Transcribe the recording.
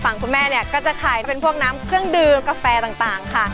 คุณแม่เนี่ยก็จะขายเป็นพวกน้ำเครื่องดื่มกาแฟต่างค่ะ